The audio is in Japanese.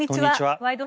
「ワイド！